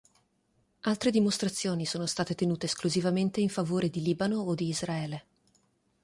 Altre dimostrazioni sono state tenute esclusivamente in favore di Libano o di Israele.